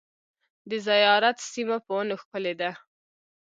د زیارت سیمه په ونو ښکلې ده .